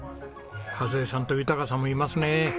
和枝さんと豊さんもいますね。